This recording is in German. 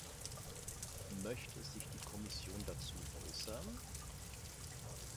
Möchte sich die Kommission dazu äußern?